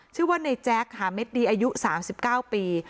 ชื่อว่าในแจ๊กค่ะเม็ดดีอายุสามสิบเก้าปี